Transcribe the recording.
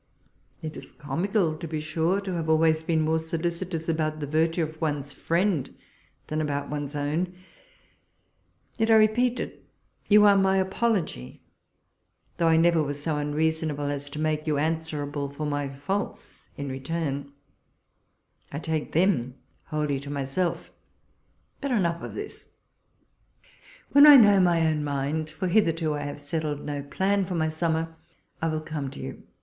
It is comical, to be sure, to have always been more solicitous about the vii'tue of one's friend than about one's own ; yet, I repeat it, you are my apology — though I never was so unreasonable as to make you answerable for my faults in return ; I take them wholly to myself. But enough of this. When I know my own mind, for hitherto I have settled no plan for my sum mer, I will come to you.